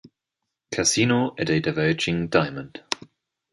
Casino at a diverging diamond.